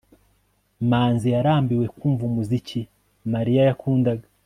manzi yarambiwe kumva umuziki mariya yakundaga